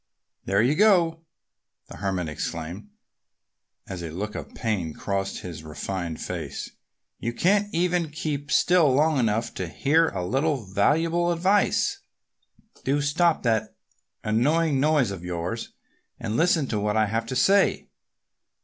"There you go!" the Hermit exclaimed as a look of pain crossed his refined face. "You can't even keep still long enough to hear a little valuable advice. Do stop that annoying noise of yours and listen to what I have to say!"